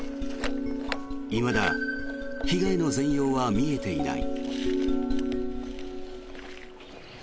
いまだ被害の全容は見えていない。